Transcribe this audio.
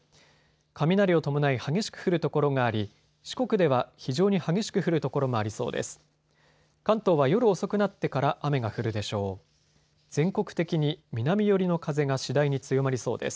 雷を伴い激しく降る所があり四国では非常に激しく降る所もありそうです。